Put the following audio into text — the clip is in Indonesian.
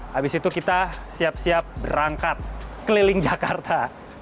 habis itu kita siap siap berangkat keliling jakarta